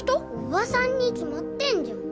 おばさんに決まってるじゃん。